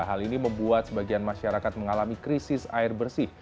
hal ini membuat sebagian masyarakat mengalami krisis air bersih